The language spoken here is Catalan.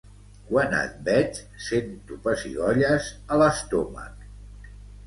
Quan et veig sento pessigolles a l'estómac.